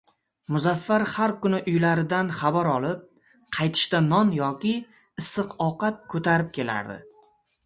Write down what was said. Muzaffar har kuni uylaridan xabar olib, qaytishda non yoki issiq ovqat ko‘tarib kelardi.